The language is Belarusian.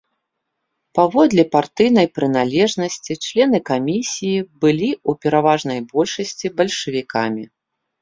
Паводле партыйнай прыналежнасці члены камісій былі ў пераважнай большасці бальшавікамі.